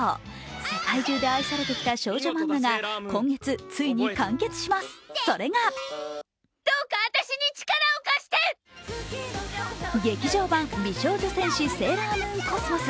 世界中で愛されてきた少女漫画が今月ついに完結します、それが劇場版「美少女戦士セーラームーンＣｏｓｍｏｓ」。